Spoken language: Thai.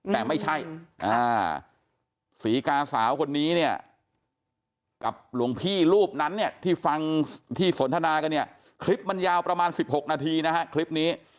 แต่ไม่ใช่ศรีกาสาวคนนี้เนี่ยกับหลวงพี่รูปนั้นเนี่ยที่ฟังที่สนทนากันเนี่ยคลิปมันยาวประมาณ๑๖นาทีนะฮะคลิปนี้